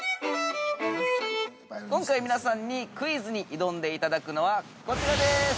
◆今回、皆さんにクイズに挑んでいただくのはこちらです！